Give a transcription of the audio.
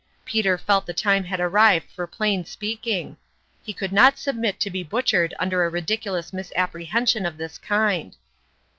Peter felt the time had arrived for plain speaking ; he could not submit to be butchered under a ridiculous misapprehension of this kind.